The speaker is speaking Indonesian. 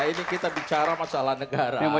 ini kita bicara masalah negara